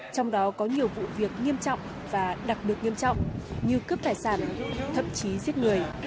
trong đó có nhiều vụ việc nghiêm trọng và đặc biệt nghiêm trọng như cướp tài sản thậm chí giết người